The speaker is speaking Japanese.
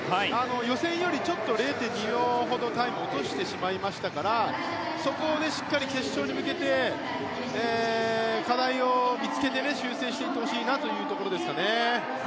予選よりちょっと０．２秒ほどタイムを落としてしまいましたからそこをしっかり決勝に向けて課題を見つけて修正していってほしいなというところですかね。